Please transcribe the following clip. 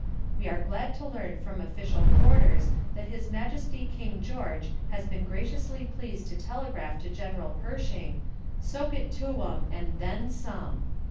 We are glad to learn from official quarters that His Majesty King George has been graciously pleased to telegraph to General Pershing, 'Soak it to 'em and THEN some.'